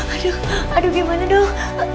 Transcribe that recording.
aduh aduh gimana dong